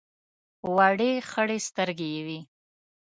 وړې خړې سترګې یې وې.